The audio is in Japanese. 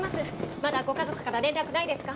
まだご家族から連絡ないですか？